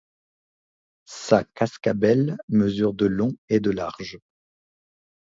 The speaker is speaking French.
Sa cascabelle mesure de long et de large.